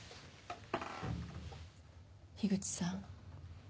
樋口さん。